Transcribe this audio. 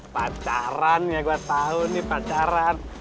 pacaran ya gue tahu nih pacaran